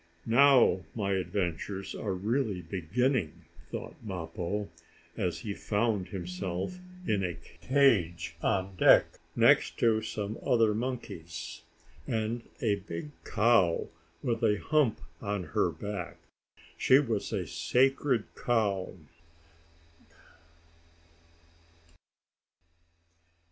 "Now my adventures are really beginning," thought Mappo, as he found himself in a cage on deck, next to some other monkeys, and a big cow with a hump on her back. She was a sacred cow.